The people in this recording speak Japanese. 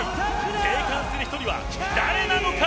生還する１人は誰なのか？